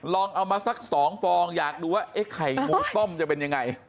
ลองเอามาสัก๒ฟองอยากดูว่าไอ้ไข่งูต้มจะเป็นยังไง